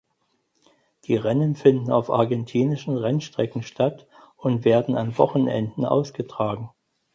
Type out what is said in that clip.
Die Rennen finden auf argentinischen Rennstrecken statt und werden an Wochenenden ausgetragen.